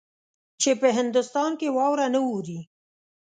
چې په هندوستان کې واوره نه اوري.